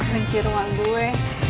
menci rumah gue